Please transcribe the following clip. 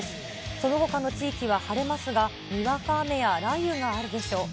そのほかの地域は晴れますが、にわか雨や雷雨があるでしょう。